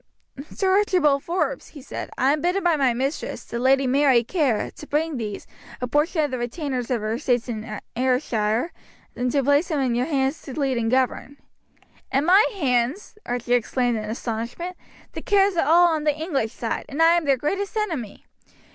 "Sir Archibald Forbes," he said, "I am bidden by my mistress, the lady Mary Kerr, to bring these, a portion of the retainers of her estates in Ayrshire, and to place them in your hands to lead and govern." "In my hands!" Archie exclaimed in astonishment. "The Kerrs are all on the English side, and I am their greatest enemy.